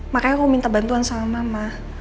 makanya aku minta bantuan sama mama